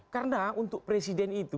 karena untuk presiden itu